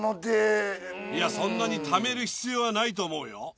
いやそんなにためる必要はないと思うよ。